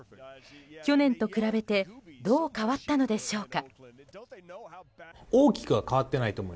去年と比べてどう変わったのでしょうか？